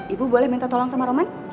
ibu boleh minta tolong sama roman